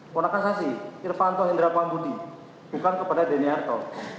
ponak kasasi irfanto hindra pambudi bukan kepada deni arto